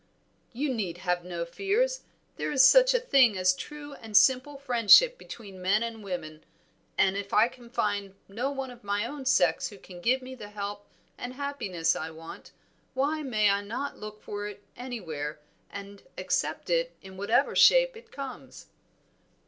"You need have no fears. There is such a thing as true and simple friendship between men and women, and if I can find no one of my own sex who can give me the help and happiness I want, why may I not look for it anywhere and accept it in whatever shape it comes?"